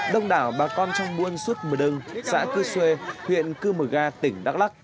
đông đảo bà con trong buôn suốt mùa đông xã cư xuê huyện cư mờ ga tỉnh đắk lắc